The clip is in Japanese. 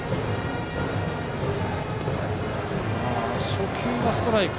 初球、ストライク。